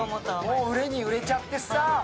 もう、売れに売れちゃってさぁ。